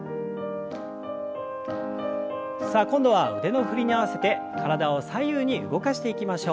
さあ今度は腕の振りに合わせて体を左右に動かしていきましょう。